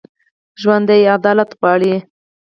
ژوندي عدالت غواړي